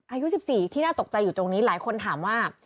อายุ๑๔ที่น่าตกใจอยู่ตรงนี้หลายคนถามว่า